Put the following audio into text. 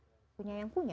punya yang punya